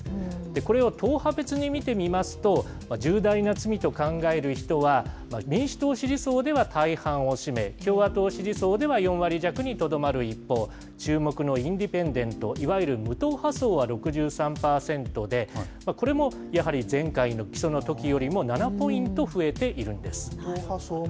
これを党派別に見てみますと、重大な罪と考える人は、民主党支持層では大半を占め、共和党支持層では４割弱にとどまる一方、注目のインディペンデント、いわゆる無党派層は６３％で、これもやはり前回の起訴のときよりも７ポイント増えているんです。